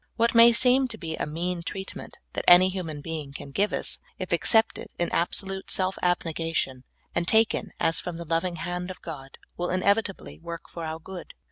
What may seem to be a mean treatment that any human being can give us, if accepted in ab solute self abnegation, and taken as from the loving hand of God, will inevitably work for our good.